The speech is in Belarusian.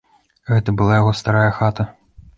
Гэта была яго старая хата.